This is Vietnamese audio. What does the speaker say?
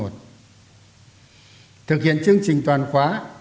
thực hiện chương trình toàn khóa